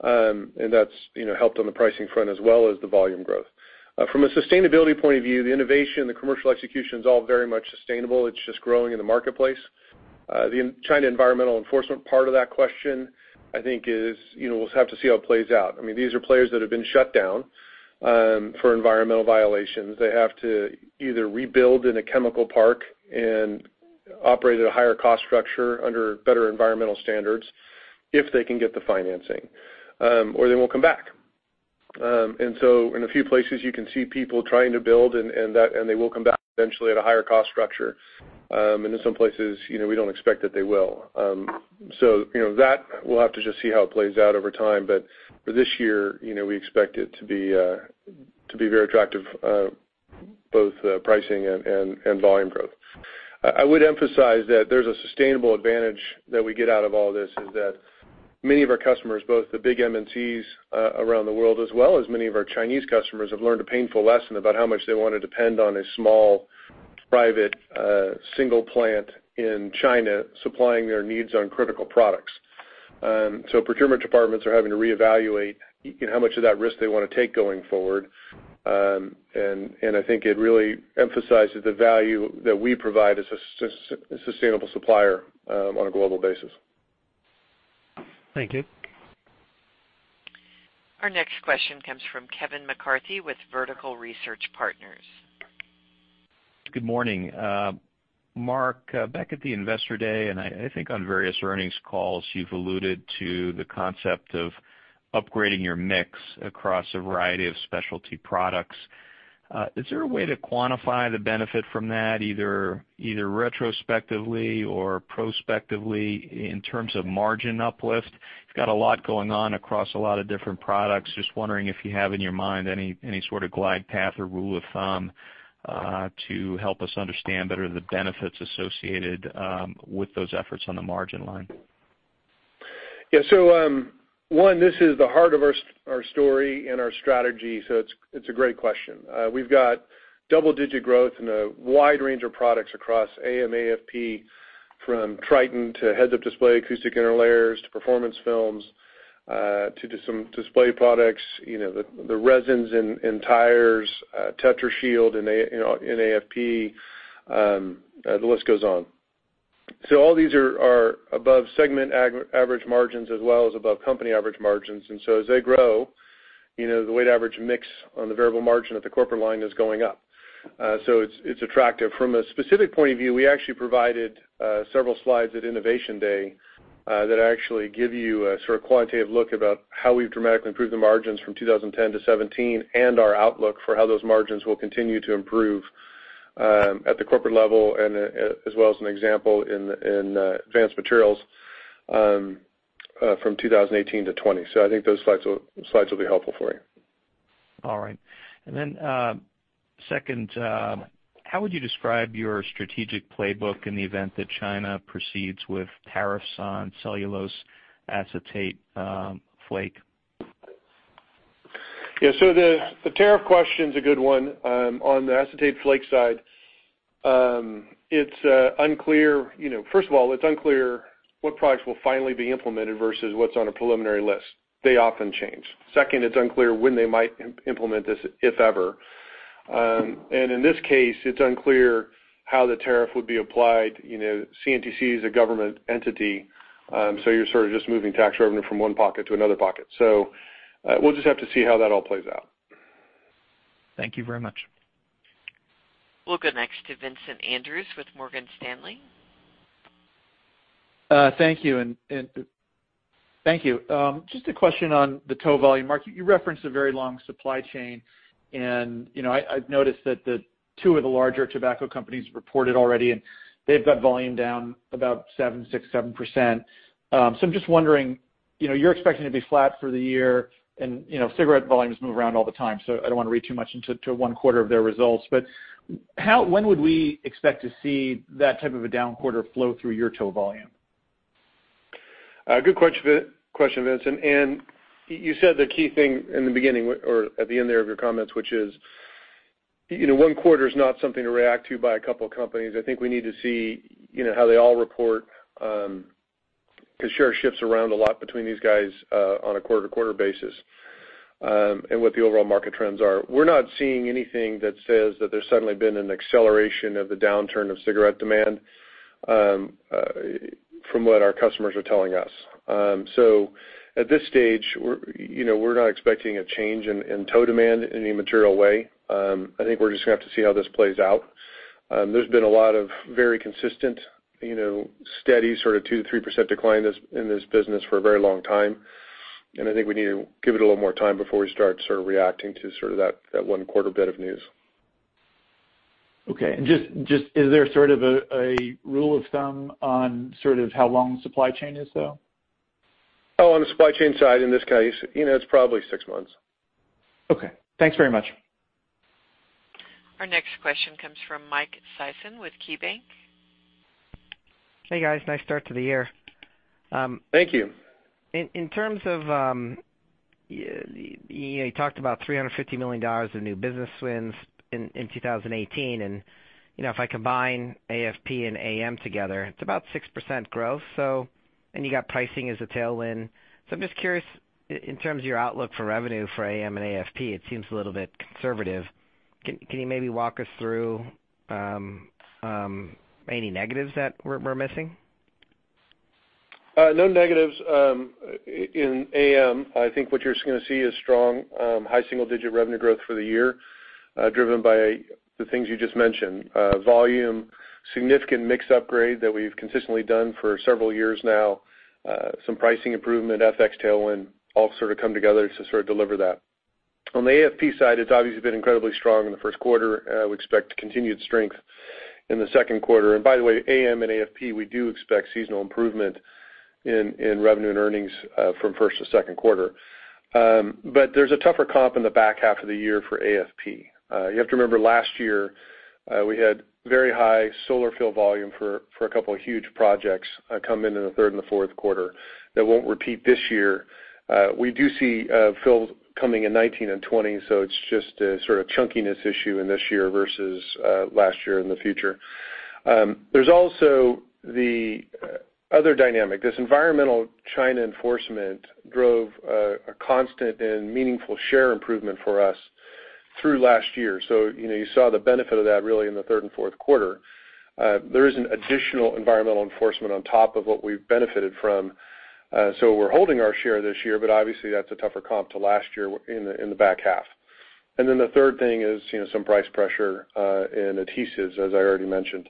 That's helped on the pricing front as well as the volume growth. From a sustainability point of view, the innovation, the commercial execution is all very much sustainable. It's just growing in the marketplace. The China environmental enforcement part of that question, I think is, we'll have to see how it plays out. These are players that have been shut down for environmental violations. They have to either rebuild in a chemical park and operate at a higher cost structure under better environmental standards if they can get the financing, or they won't come back. In a few places, you can see people trying to build, and they will come back eventually at a higher cost structure. In some places, we don't expect that they will. We'll have to just see how it plays out over time. For this year, we expect it to be very attractive, both pricing and volume growth. I would emphasize that there's a sustainable advantage that we get out of all this, is that many of our customers, both the big MNCs around the world, as well as many of our Chinese customers, have learned a painful lesson about how much they want to depend on a small, private, single plant in China supplying their needs on critical products. Procurement departments are having to reevaluate how much of that risk they want to take going forward. I think it really emphasizes the value that we provide as a sustainable supplier on a global basis. Thank you. Our next question comes from Kevin McCarthy with Vertical Research Partners. Good morning. Mark, back at the Investor Day, I think on various earnings calls, you've alluded to the concept of upgrading your mix across a variety of specialty products. Is there a way to quantify the benefit from that, either retrospectively or prospectively in terms of margin uplift? You've got a lot going on across a lot of different products. Just wondering if you have in your mind any sort of glide path or rule of thumb to help us understand better the benefits associated with those efforts on the margin line. Yeah. One, this is the heart of our story and our strategy, it's a great question. We've got double-digit growth in a wide range of products across AM/AFP, from Tritan to heads-up display, acoustic interlayers to performance films to some display products, the resins in tires, Tetrashield in AFP. The list goes on. All these are above segment average margins as well as above company average margins. As they grow, the weight average mix on the variable margin at the corporate line is going up. It's attractive. From a specific point of view, we actually provided several slides at Innovation Day that actually give you a sort of quantitative look about how we've dramatically improved the margins from 2010 to 2017 and our outlook for how those margins will continue to improve at the corporate level and as well as an example in advanced materials from 2018 to 2020. I think those slides will be helpful for you. Then, second, how would you describe your strategic playbook in the event that China proceeds with tariffs on cellulose acetate flake? Yeah. The tariff question is a good one. On the acetate flake side, first of all, it's unclear what products will finally be implemented versus what's on a preliminary list. They often change. Second, it's unclear when they might implement this, if ever. In this case, it's unclear how the tariff would be applied. CNTC is a government entity, you're sort of just moving tax revenue from one pocket to another pocket. We'll just have to see how that all plays out. Thank you very much. We'll go next to Vincent Andrews with Morgan Stanley. Thank you. Just a question on the tow volume market. You referenced a very long supply chain. I've noticed that the 2 of the larger tobacco companies reported already, and they've got volume down about 6%, 7%. I'm just wondering, you're expecting to be flat for the year, and cigarette volumes move around all the time, so I don't want to read too much into one quarter of their results. When would we expect to see that type of a down quarter flow through your tow volume? Good question, Vincent. You said the key thing in the beginning or at the end there of your comments, which is one quarter is not something to react to by a couple of companies. I think we need to see how they all report, because share shifts around a lot between these guys on a quarter-to-quarter basis, and what the overall market trends are. We're not seeing anything that says that there's suddenly been an acceleration of the downturn of cigarette demand from what our customers are telling us. At this stage, we're not expecting a change in tow demand in any material way. I think we're just going to have to see how this plays out. There's been a lot of very consistent, steady sort of 2%-3% decline in this business for a very long time. I think we need to give it a little more time before we start sort of reacting to that one quarter bit of news. Okay. Just is there sort of a rule of thumb on how long the supply chain is, though? Oh, on the supply chain side, in this case, it's probably six months. Okay. Thanks very much. Our next question comes from Michael Sison with KeyBanc. Hey, guys. Nice start to the year. Thank you. In terms of, you talked about $350 million of new business wins in 2018. If I combine AFP and AM together, it's about 6% growth, and you got pricing as a tailwind. I'm just curious, in terms of your outlook for revenue for AM and AFP, it seems a little bit conservative. Can you maybe walk us through any negatives that we're missing? No negatives. In AM, I think what you're going to see is strong, high single-digit revenue growth for the year driven by the things you just mentioned. Volume, significant mix upgrade that we've consistently done for several years now, some pricing improvement, FX tailwind, all sort of come together to sort of deliver that. On the AFP side, it's obviously been incredibly strong in the first quarter. We expect continued strength in the second quarter. By the way, AM and AFP, we do expect seasonal improvement in revenue and earnings from first to second quarter. There's a tougher comp in the back half of the year for AFP. You have to remember last year we had very high solar fill volume for a couple of huge projects come in in the third and the fourth quarter that won't repeat this year. We do see fills coming in 2019 and 2020. It's just a sort of chunkiness issue in this year versus last year and the future. There's also the other dynamic. This environmental China enforcement drove a constant and meaningful share improvement for us through last year. You saw the benefit of that really in the third and fourth quarter. There is an additional environmental enforcement on top of what we've benefited from. We're holding our share this year, obviously that's a tougher comp to last year in the back half. Then the third thing is some price pressure in adhesives, as I already mentioned.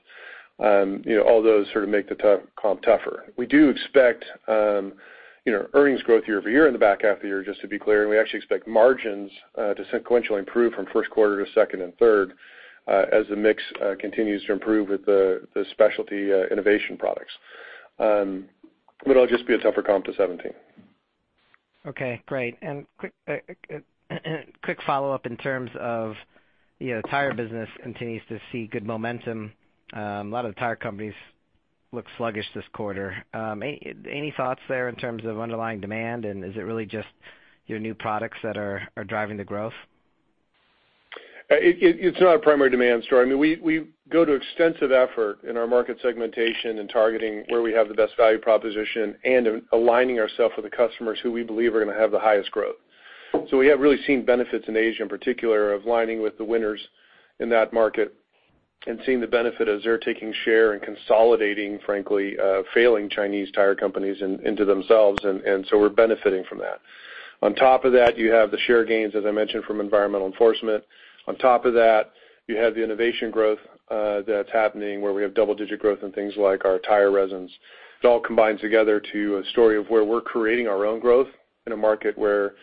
All those sort of make the comp tougher. We do expect earnings growth year-over-year in the back half of the year, just to be clear, and we actually expect margins to sequentially improve from first quarter to second and third as the mix continues to improve with the specialty innovation products. It will just be a tougher comp to 2017. Okay, great. Quick follow-up in terms of tire business continues to see good momentum. A lot of the tire companies look sluggish this quarter. Any thoughts there in terms of underlying demand? Is it really just your new products that are driving the growth? It's not a primary demand story. We go to extensive effort in our market segmentation and targeting where we have the best value proposition and aligning ourself with the customers who we believe are going to have the highest growth. We have really seen benefits in Asia in particular of aligning with the winners in that market and seeing the benefit as they're taking share and consolidating, frankly, failing Chinese tire companies into themselves. We're benefiting from that. On top of that, you have the share gains, as I mentioned, from environmental enforcement. On top of that, you have the innovation growth that's happening where we have double-digit growth in things like our tire resins. It all combines together to a story of where we're creating our own growth in a market where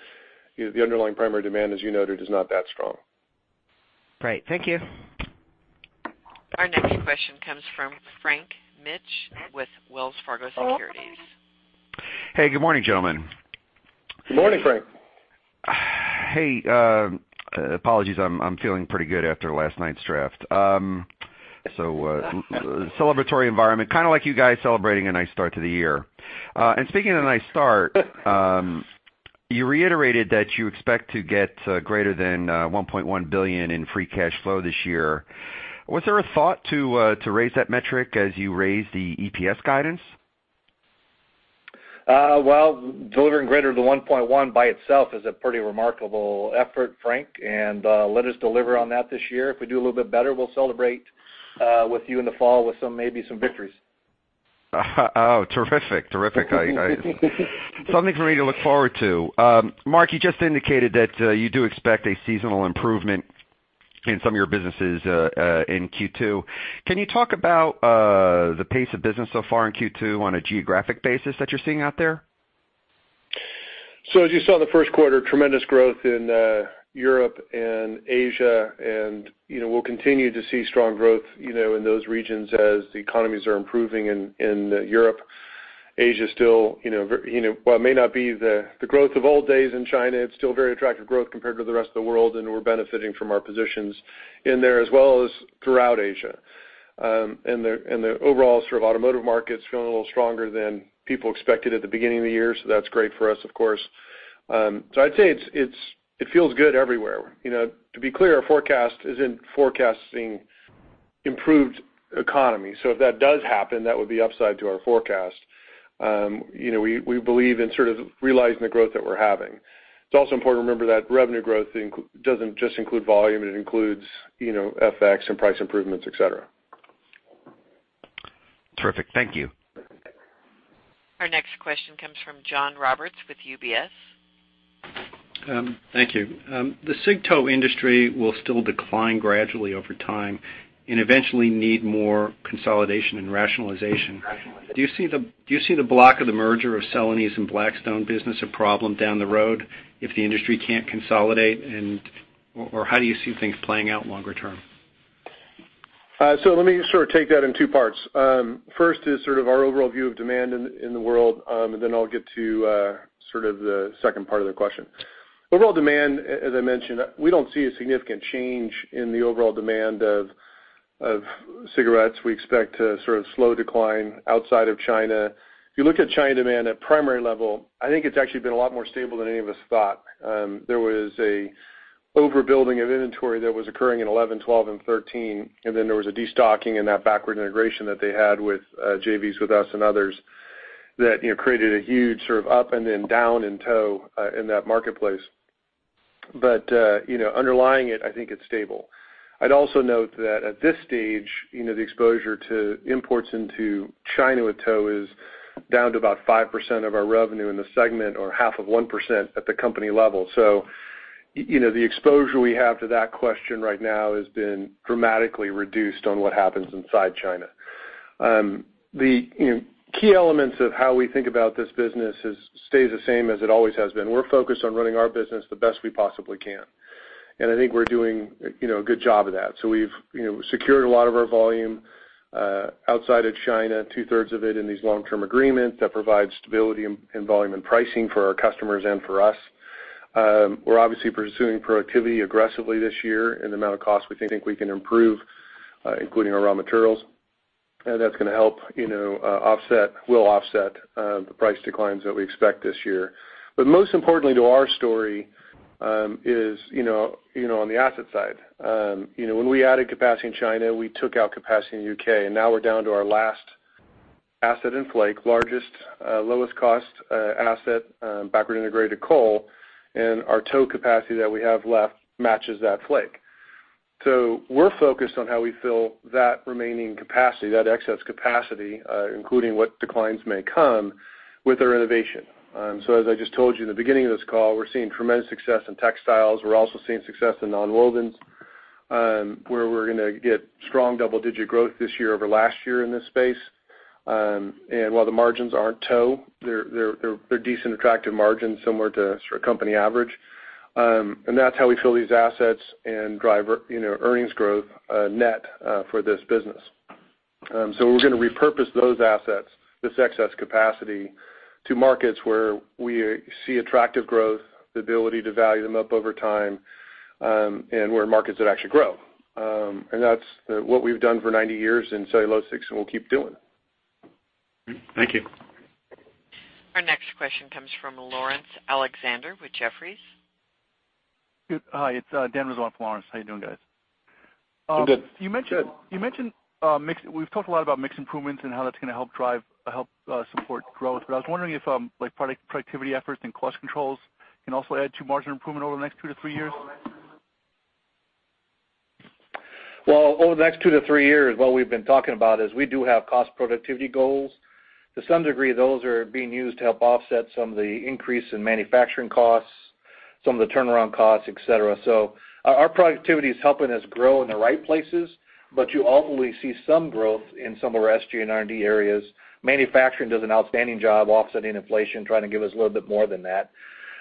the underlying primary demand, as you noted, is not that strong. Great. Thank you. Our next question comes from Frank Mitsch with Wells Fargo Securities. Hey, good morning, gentlemen. Good morning, Frank. Hey, apologies, I'm feeling pretty good after last night's draft. Celebratory environment, kind of like you guys celebrating a nice start to the year. Speaking of a nice start, you reiterated that you expect to get greater than $1.1 billion in free cash flow this year. Was there a thought to raise that metric as you raised the EPS guidance? Well, delivering greater than the 1.1 by itself is a pretty remarkable effort, Frank. Let us deliver on that this year. If we do a little bit better, we'll celebrate with you in the fall with maybe some victories. Oh, terrific. Something for me to look forward to. Mark, you just indicated that you do expect a seasonal improvement in some of your businesses in Q2. Can you talk about the pace of business so far in Q2 on a geographic basis that you're seeing out there? As you saw in the first quarter, tremendous growth in Europe and Asia. We'll continue to see strong growth in those regions as the economies are improving in Europe. Asia still, while it may not be the growth of old days in China, it's still very attractive growth compared to the rest of the world. We're benefiting from our positions in there, as well as throughout Asia. The overall automotive market's feeling a little stronger than people expected at the beginning of the year, that's great for us, of course. I'd say it feels good everywhere. To be clear, our forecast isn't forecasting improved economy. If that does happen, that would be upside to our forecast. We believe in realizing the growth that we're having. It's also important to remember that revenue growth doesn't just include volume, it includes FX and price improvements, et cetera. Terrific. Thank you. Our next question comes from John Roberts with UBS. Thank you. The cig tow industry will still decline gradually over time and eventually need more consolidation and rationalization. Do you see the block of the merger of Celanese and Blackstone business a problem down the road if the industry can't consolidate, or how do you see things playing out longer term? Let me take that in two parts. First is our overall view of demand in the world, and then I'll get to the second part of the question. Overall demand, as I mentioned, we don't see a significant change in the overall demand of cigarettes. We expect a slow decline outside of China. If you look at China demand at primary level, I think it's actually been a lot more stable than any of us thought. There was an overbuilding of inventory that was occurring in 2011, 2012, and 2013, and then there was a destocking in that backward integration that they had with JVs with us and others that created a huge up and then down in tow in that marketplace. Underlying it, I think it's stable. I'd also note that at this stage, the exposure to imports into China with tow is down to about 5% of our revenue in the segment or half of 1% at the company level. The exposure we have to that question right now has been dramatically reduced on what happens inside China. The key elements of how we think about this business stays the same as it always has been. We're focused on running our business the best we possibly can. I think we're doing a good job of that. We've secured a lot of our volume outside of China, two-thirds of it in these long-term agreements that provide stability and volume and pricing for our customers and for us. We're obviously pursuing productivity aggressively this year in the amount of cost we think we can improve, including our raw materials. That's going to help offset, will offset the price declines that we expect this year. Most importantly to our story is on the asset side. When we added capacity in China, we took out capacity in the U.K., and now we're down to our last asset in flake, largest, lowest cost asset, backward integrated coal, and our tow capacity that we have left matches that flake. We're focused on how we fill that remaining capacity, that excess capacity, including what declines may come with our innovation. As I just told you in the beginning of this call, we're seeing tremendous success in textiles. We're also seeing success in nonwovens, where we're going to get strong double-digit growth this year over last year in this space. While the margins aren't tow, they're decent, attractive margins similar to company average. That's how we fill these assets and drive earnings growth net for this business. We're going to repurpose those assets, this excess capacity, to markets where we see attractive growth, the ability to value them up over time, and where markets would actually grow. That's what we've done for 90 years in cellulosics, and we'll keep doing. Thank you. Our next question comes from Laurence Alexander with Jefferies. Hi, it's Daniel Rizzo for Laurence. How you doing, guys? Good. You mentioned we've talked a lot about mix improvements and how that's going to help support growth, I was wondering if like productivity efforts and cost controls can also add to margin improvement over the next two to three years. Over the next two to three years, what we've been talking about is we do have cost productivity goals. To some degree, those are being used to help offset some of the increase in manufacturing costs, some of the turnaround costs, et cetera. Our productivity is helping us grow in the right places, you ultimately see some growth in some of our SG&A and R&D areas. Manufacturing does an outstanding job offsetting inflation, trying to give us a little bit more than that.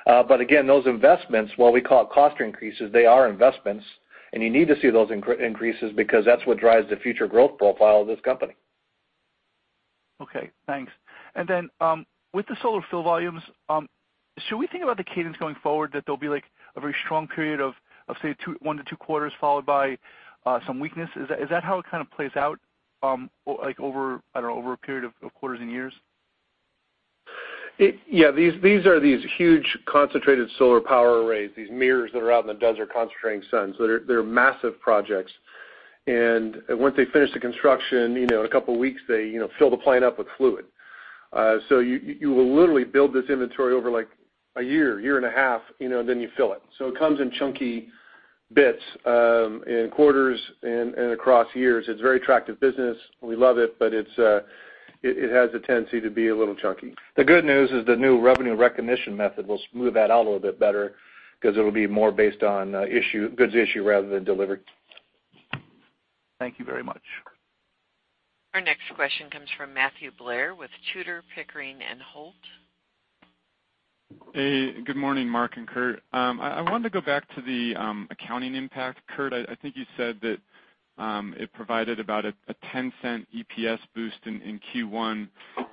Again, those investments, while we call it cost increases, they are investments, and you need to see those increases because that's what drives the future growth profile of this company. Okay, thanks. With the solar fill volumes, should we think about the cadence going forward that there will be like a very strong period of, say, one to two quarters followed by some weakness? Is that how it kind of plays out over a period of quarters and years? Yeah, these are these huge concentrated solar power arrays, these mirrors that are out in the desert concentrating sun. They are massive projects. Once they finish the construction, in a couple of weeks, they fill the plant up with fluid. You will literally build this inventory over like a year and a half, then you fill it. It comes in chunky bits, in quarters and across years. It is a very attractive business. We love it, but it has a tendency to be a little chunky. The good news is the new revenue recognition method will smooth that out a little bit better because it will be more based on goods issue rather than delivery. Thank you very much. Our next question comes from Matthew Blair with Tudor, Pickering, and Holt. Hey, good morning, Mark and Kurt. I wanted to go back to the accounting impact. Kurt, I think you said that it provided about a $0.10 EPS boost in Q1,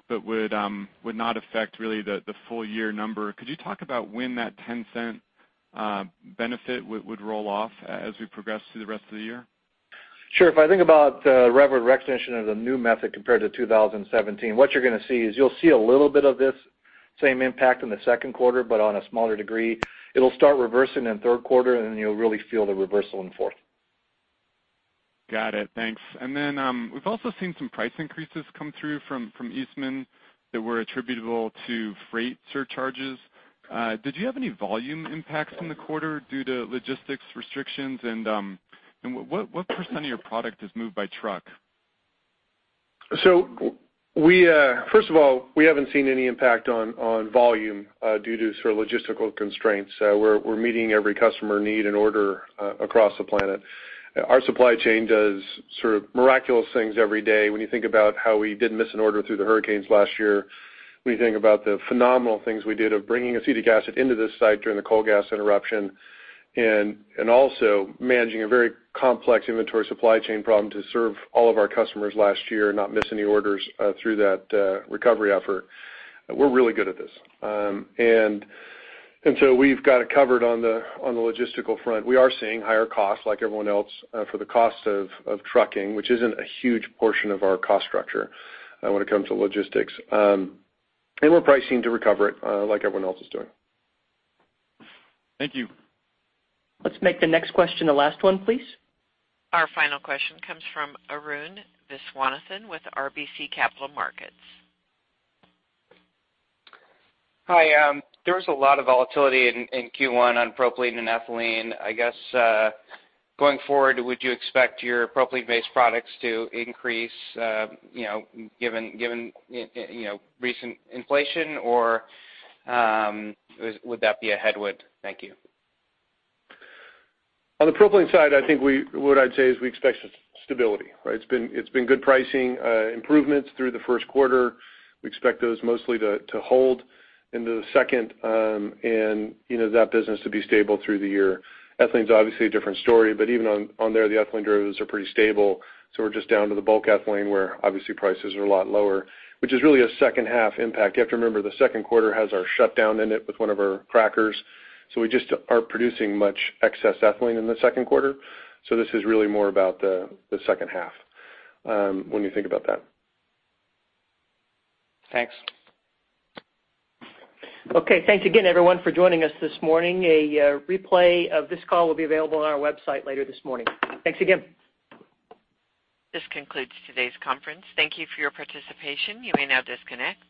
but would not affect really the full year number. Could you talk about when that $0.10 benefit would roll off as we progress through the rest of the year? Sure. If I think about revenue recognition as a new method compared to 2017, what you're going to see is you'll see a little bit of this same impact in the second quarter, but on a smaller degree. It'll start reversing in third quarter, and then you'll really feel the reversal in fourth. Got it. Thanks. We've also seen some price increases come through from Eastman that were attributable to freight surcharges. Did you have any volume impacts in the quarter due to logistics restrictions? What % of your product is moved by truck? First of all, we haven't seen any impact on volume due to logistical constraints. We're meeting every customer need and order across the planet. Our supply chain does sort of miraculous things every day. When you think about how we didn't miss an order through the hurricanes last year, when you think about the phenomenal things we did of bringing acetic acid into this site during the coal gas interruption, and also managing a very complex inventory supply chain problem to serve all of our customers last year and not miss any orders through that recovery effort. We're really good at this. We've got it covered on the logistical front. We are seeing higher costs like everyone else, for the cost of trucking, which isn't a huge portion of our cost structure when it comes to logistics. We're pricing to recover it, like everyone else is doing. Thank you. Let's make the next question the last one, please. Our final question comes from Arun Viswanathan with RBC Capital Markets. Hi. There was a lot of volatility in Q1 on propylene and ethylene. I guess, going forward, would you expect your propylene-based products to increase, given recent inflation? Would that be a headwind? Thank you. On the propylene side, I think what I'd say is we expect stability, right? It's been good pricing improvements through the first quarter. We expect those mostly to hold into the second, and that business to be stable through the year. Ethylene's obviously a different story. Even on there, the ethylene derivatives are pretty stable. We're just down to the bulk ethylene, where obviously prices are a lot lower, which is really a second half impact. You have to remember, the second quarter has our shutdown in it with one of our crackers. We just aren't producing much excess ethylene in the second quarter. This is really more about the second half when you think about that. Thanks. Okay. Thanks again, everyone, for joining us this morning. A replay of this call will be available on our website later this morning. Thanks again. This concludes today's conference. Thank you for your participation. You may now disconnect.